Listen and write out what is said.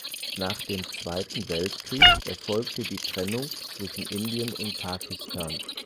Nach dem Zweiten Weltkrieg erfolgte die Trennung zwischen Indien und Pakistan.